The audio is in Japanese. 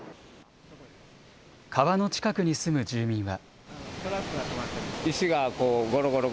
川の近くに住む住民は。